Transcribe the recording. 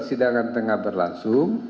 di sidangan tengah berlangsung